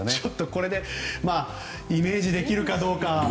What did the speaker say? これでイメージできるかどうか。